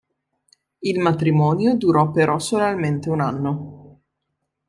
Il matrimonio durò però solamente un anno.